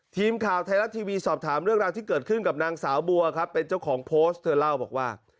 ทีมข่าวไทยรัฐทีวีสอบถามเรื่องราวที่เกิดขึ้นกับนางสาวบัวครับเป็นเจ้าของโพสต์เธอเล่าบอกว่า